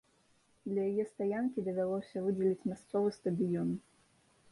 Для яе стаянкі давялося выдзеліць мясцовы стадыён.